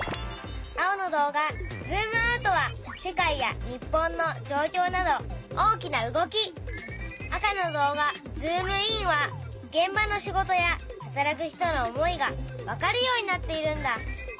青の動画「ズームアウト」は世界や日本のじょうきょうなど大きな動き赤の動画「ズームイン」はげん場の仕事や働く人の思いがわかるようになっているんだ。